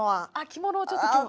着物をちょっと今日。